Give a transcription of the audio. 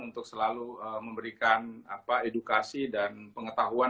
untuk selalu memberikan edukasi dan pengetahuan